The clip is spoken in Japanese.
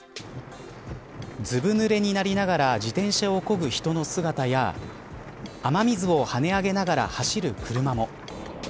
ずぶぬれになりながら自転車をこぐ人の姿や雨水をはね上げながら走る車も。